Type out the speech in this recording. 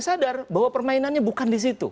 saya sadar bahwa permainannya bukan di situ